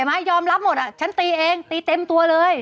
ไม้ยอมรับหมดอ่ะฉันตีเองตีเต็มตัวเลย